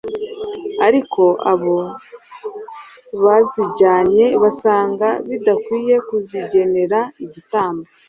ariko abo bazijyanye basanga bidakwiye kuzigenera igitambo